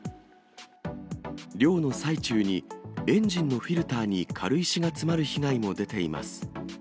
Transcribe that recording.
漁の最中に、エンジンのフィルターに軽石が詰まる被害も出ています。